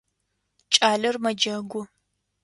Кӏалэр мэджэгу.